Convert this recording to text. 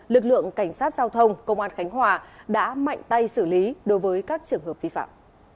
lực lượng cảnh sát giao thông công an khánh hòa đã mạnh tay xử lý đối với các trường hợp vi phạm